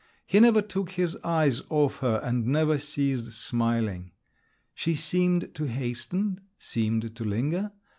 He never took his eyes off her and never ceased smiling. She seemed to hasten … seemed to linger.